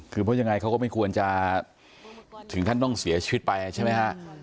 คือเพราะยังไงเขาก็ไม่ควรจะถึงขั้นต้องเสียชีวิตไปใช่ไหมฮะ